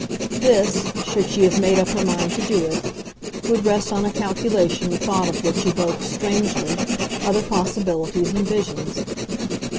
This, should she have made up her mind to do it, would rest on a calculation the thought of which evoked, strangely, other possibilities and visions.